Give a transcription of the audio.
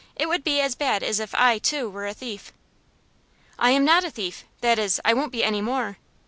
It would be as bad as if I, too, were a thief." "I am not a thief! That is, I won't be any more."